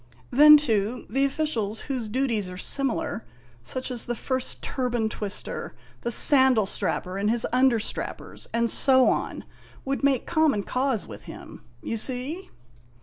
Then, too, the officials whose duties are similar such as the First Turban Twister, the Sandal Strapper and his understrappers, and so on would make common cause with him. You see